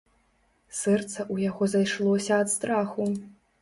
Сэрца ў яго зайшлося ад страху.